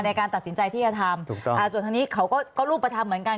ในการตัดสินใจที่จะทำส่วนทางนี้เขาก็ลูกประธานเหมือนกัน